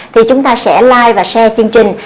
thì chúng ta sẽ like và share chương trình